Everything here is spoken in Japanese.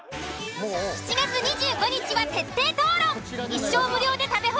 ７月２５日は徹底討論。